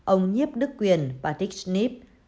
ông nhiếp đức quyền và dick snipp